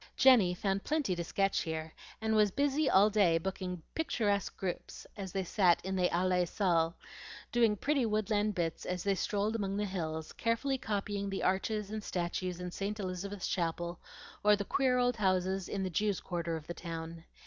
Jenny found plenty to sketch here, and was busy all day booking picturesque groups as they sat in the Allee Saal, doing pretty woodland bits as they strolled among the hills, carefully copying the arches and statues in St. Elizabeth's Chapel, or the queer old houses in the Jews' Quarter of the town.